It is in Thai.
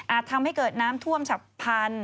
ทำให้เกิดน้ำท่วมฉับพันธุ